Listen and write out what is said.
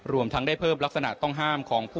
รวมทั้งได้เพิ่มลักษณะต้องห้ามของผู้